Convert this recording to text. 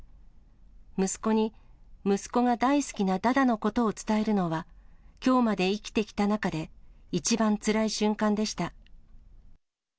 息子に、息子が大好きなダダのことを伝えるのは、きょうまで生きてきた中で、一番つらい瞬間でした。